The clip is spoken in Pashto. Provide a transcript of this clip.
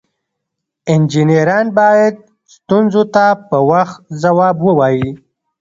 انجینران باید ستونزو ته په وخت ځواب ووایي.